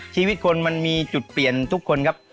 ชีวิตคนมันมีจุดเปลี่ยนทุกคนครับ